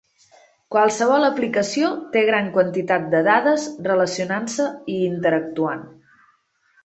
Qualsevol aplicació té gran quantitat de dades relacionant-se i interactuant.